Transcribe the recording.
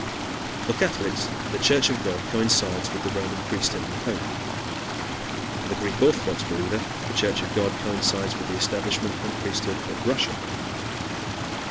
For Catholics the Church of God coincides with the Roman priesthood and the Pope. For the Greek Orthodox believer the Church of God coincides with the establishment and priesthood of Russia.